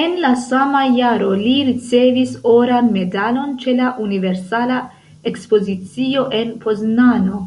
En la sama jaro li ricevis Oran Medalon ĉe la Universala Ekspozicio en Poznano.